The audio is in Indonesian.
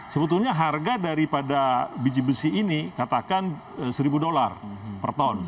sebetulnya harga daripada biji besi ini katakan seribu dolar per ton